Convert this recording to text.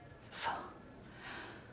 そう。